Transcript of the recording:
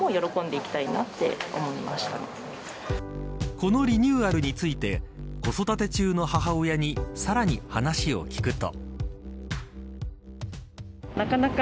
このリニューアルについて子育て中の母親にさらに、話を聞くと。